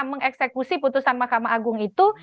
mengeksekusi putusan mahkamah agung itu